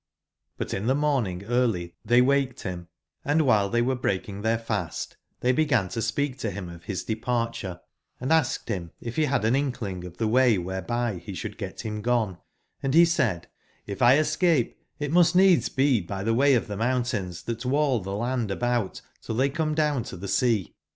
But in the morning early they waked him ; and while they were breaking their fast they began to speak to him of his departure, & aekcd him if be bad an inkling of tbc way wbcrcby be sbould get bim gone, and be eaid: '*tfX escape it muet needs be by tbe way of tbemoun tains tbat wall tbe land about till tbey come down totbe sea.